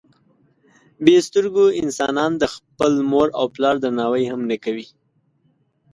بې سترګو انسانان د خپل مور او پلار درناوی هم نه کوي.